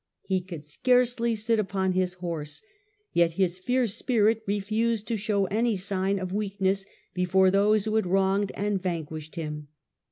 He could scarce sit upon his horse, yet his fierce spirit refused to show any sign of weakness before those who had wronged and vanquished him.